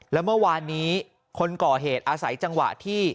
แล้วเมื่อวานนี้คนก่อเหตุอาศัยจังหวะที่